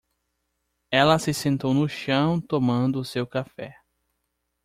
Ela se sentou no chão tomando seu café.